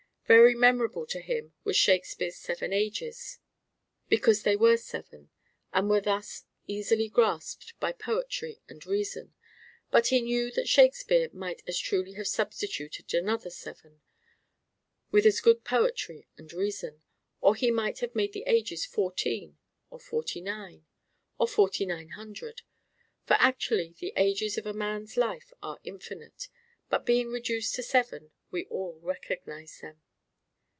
Very memorable to him was Shakespeare's Seven Ages because they were seven and were thus easily grasped by poetry and reason. But he knew that Shakespeare might as truly have substituted another seven with as good poetry and reason; or he might have made the ages fourteen or forty nine or forty nine hundred; for actually the ages of a man's life are infinite; but being reduced to seven, we all recognize them.